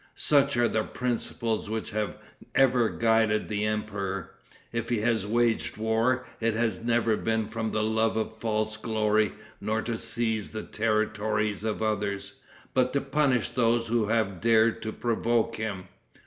Such are the principles which have ever guided the emperor. If he has waged war, it has never been from the love of false glory, nor to seize the territories of others, but to punish those who have dared to provoke him.